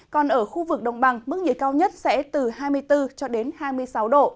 còn ở khu vực đồng bằng mức nhiệt cao nhất sẽ từ hai mươi bốn hai mươi sáu độ